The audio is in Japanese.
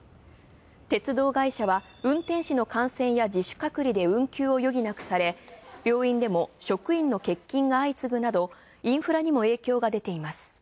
鉄道会社は運転士の感染や自主隔離で運休を余儀なくされ病院でも職員の欠勤が相次ぐなどインフラにも影響が出ています。